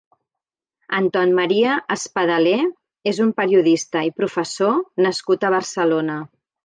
Anton Maria Espadaler és un periodista i professor nascut a Barcelona.